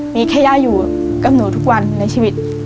มีแค่ย่าอยู่กับหนูทุกวันในชีวิต